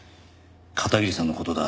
片桐さんの事だ。